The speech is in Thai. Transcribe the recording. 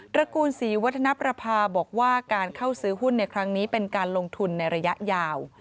ระกูลศรีวัฒนประภาบอกว่าการเข้าซื้อหุ้นในครั้งนี้เป็นการลงทุนในระยะยาว